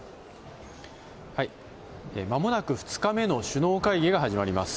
まもなく２日目の首脳会議が始まります。